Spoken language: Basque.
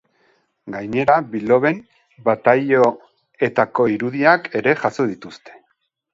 Gainera, biloben bataioetako irudiak ere jaso dituzte.